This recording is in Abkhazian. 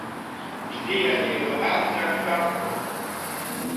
Бзиа еилаҳәамзар шәарҭоуп…